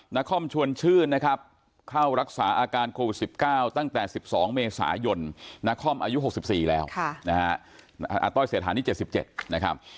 นครชวนชื่นนะครับเข้ารักษาอาการโควิด๑๙ตั้งแต่๑๒เมษายนนาคอมอายุ๖๔แล้วนะฮะอาต้อยเศรษฐานี้๗๗นะครับ